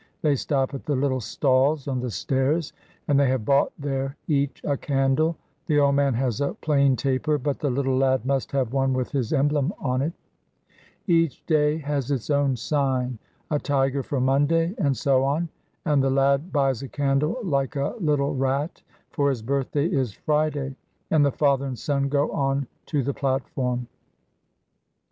They stop at the little stalls on the stairs, and they have bought there each a candle. The old man has a plain taper, but the little lad must have one with his emblem on it. Each day has its own sign, a tiger for Monday, and so on, and the lad buys a candle like a little rat, for his birthday is Friday, and the father and son go on to the platform.